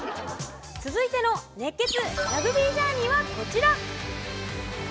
続いての熱血ラグビージャーニーはこちら！